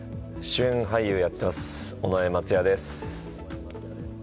主演俳優をやってます尾上松也です。